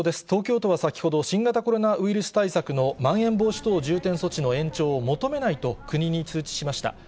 東京都は先ほど、新型コロナウイルス対策のまん延防止等重点措置の延長を求めないと国に通知しました。